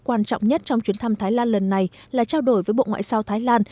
quan trọng nhất trong chuyến thăm thái lan lần này là trao đổi với bộ ngoại giao thái lan